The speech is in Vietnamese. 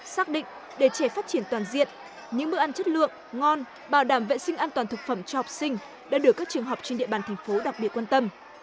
xác định để trẻ phát triển toàn diện những bữa ăn chất lượng ngon bảo đảm vệ sinh an toàn thực phẩm cho học sinh đã được các trường học trên địa bàn thành phố đặc biệt quan tâm